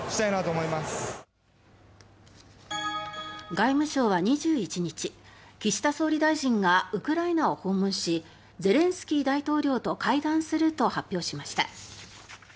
外務省は、２１日岸田総理大臣がウクライナを訪問しゼレンスキー大統領と会談すると発表しました。